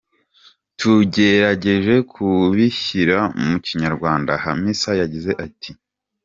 Tugerageje kubishyira mu Kinyarwanda, Hamisa yagize ati:.